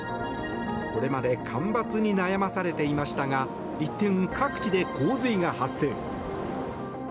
これまで干ばつに悩まされていましたが一転、各地で洪水が発生。